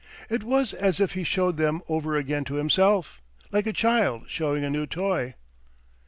It was as if he showed them over again to himself, like a child showing a new toy.